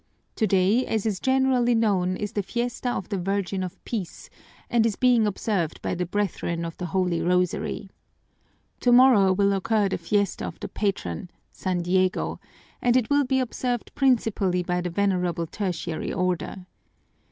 Today, as is generally known, is the fiesta of the Virgin of Peace and is being observed by the Brethren of the Holy Rosary. Tomorrow will occur the fiesta of the patron, San Diego, and it will be observed principally by the Venerable Tertiary Order.